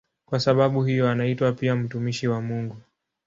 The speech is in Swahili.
Kwa sababu hiyo anaitwa pia "mtumishi wa Mungu".